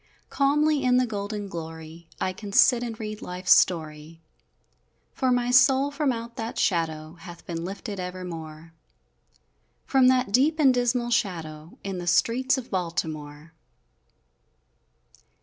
Calmly, in the golden glory, I can sit and read life's story, For my soul from out that shadow Hath been lifted evermore From that deep and dismal shadow, In the streets of Baltimore!